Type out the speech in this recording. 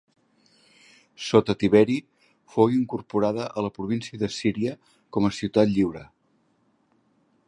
Sota Tiberi, fou incorporada a la província de Síria com a ciutat lliure.